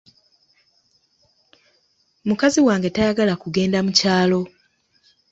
Mukazi wange tayagala kugenda mu kyalo.